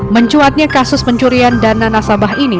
mencuatnya kasus pencurian dana nasabah ini